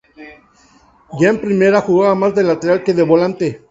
Ya en primera jugaba más de lateral que de volante.